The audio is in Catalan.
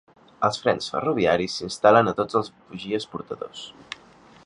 Els frens ferroviaris s'instal·len a tots els bogies portadors.